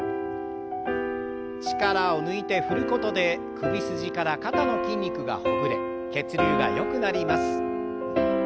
力を抜いて振ることで首筋から肩の筋肉がほぐれ血流がよくなります。